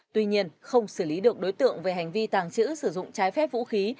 tuy nhiên không xử lý được đối tượng về hành vi tàng trữ sử dụng trái phép vũ khí